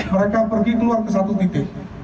mereka pergi keluar ke satu titik